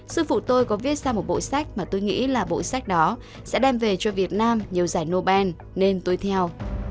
sư phụ tôi có viết ra một bộ sách mà tôi nghĩ là bộ sách đó sẽ đem về cho việt nam nhiều giải nobel nên tôi theo